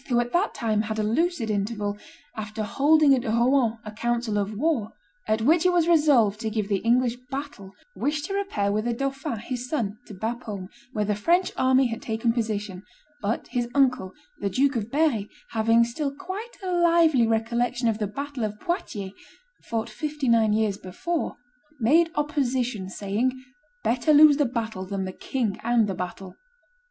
who at that time had a lucid interval, after holding at Rouen a council of war, at which it was resolved to give the English battle, wished to repair with the dauphin, his son, to Bapaume, where the French army had taken position; but his uncle, the Duke of Berry, having still quite a lively recollection of the battle of Poitiers, fought fifty nine' years before, made opposition, saying, "Better lose the battle than the king and the battle."